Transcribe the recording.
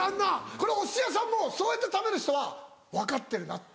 これお寿司屋さんもそうやって食べる人は分かってるなって。